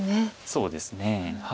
そうですね。